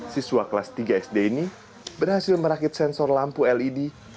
siswa kelas tiga sd ini berhasil merakit sensor lampu led